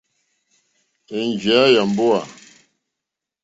Ènjìyá yà mbówà.